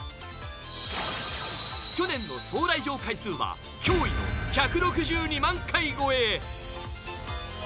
去年の総来場回数は驚異の１６２万回超え。